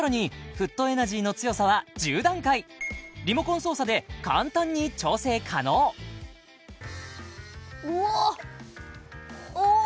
フットエナジーの強さは１０段階リモコン操作で簡単に調整可能うおっおお